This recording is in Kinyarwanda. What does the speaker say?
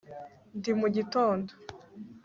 ndi mu gitondo